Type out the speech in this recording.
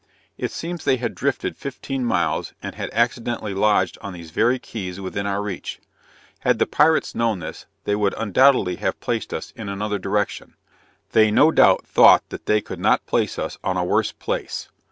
It seems they had drifted fifteen miles, and had accidentally lodged on these very Keys within our reach. Had the pirates known this, they would undoubtedly have placed us in another direction. They no doubt thought that they could not place us on a worse place.